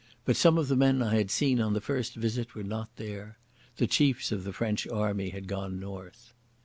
But some of the men I had seen on the first visit were not there. The chiefs of the French Army had gone north.